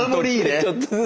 ちょっとずつ。